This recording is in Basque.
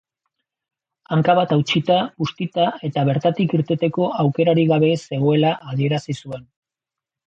Hanka bat hautsita, bustita eta bertatik ateratzeko aukerarik gabe zegoela adierazi zuen.